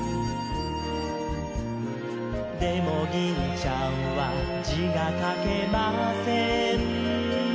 「でも銀ちゃんは字が書けません」